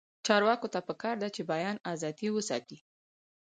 چارواکو ته پکار ده چې، بیان ازادي وساتي.